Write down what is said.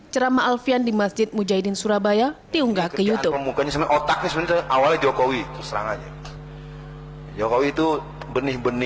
ceramah alfian di masjid mujahidin surabaya diunggah ke youtube